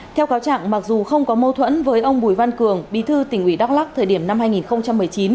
theo cáo trạng mặc dù không có mâu thuẫn với ông bùi văn cường bí thư tỉnh ủy đắk lắc thời điểm năm hai nghìn một mươi chín